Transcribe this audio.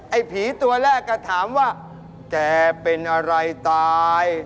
ไอ้ผีตัวแรกก็ถามว่าแกเป็นอะไรตาย